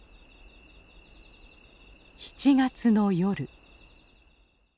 ７月の夜。